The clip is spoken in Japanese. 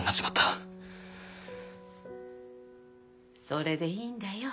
それでいいんだよ。